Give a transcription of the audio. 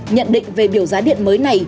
nhận định về biểu giá điện mới này